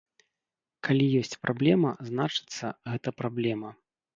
Калі ёсць праблема, значыцца, гэта праблема.